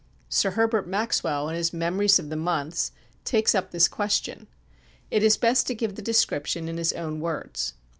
Sir Herbert Maxwell, in his Memories of the Months, takes up this question. It is best to give the description in his own words: Third Series, p. 60.